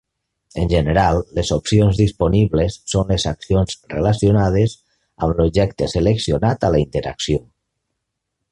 En general, les opcions disponibles són les accions relacionades amb l'objecte seleccionat a la interacció.